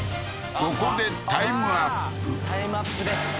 ここでタイムアップです